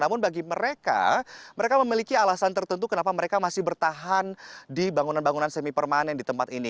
namun bagi mereka mereka memiliki alasan tertentu kenapa mereka masih bertahan di bangunan bangunan semi permanen di tempat ini